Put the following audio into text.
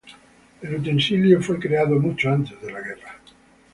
El utensilio fue creado mucho antes de la guerra.